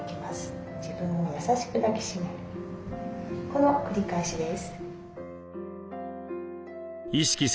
この繰り返しです。